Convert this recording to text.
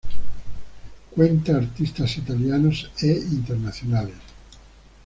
Cuenta artistas italianos e internacionales.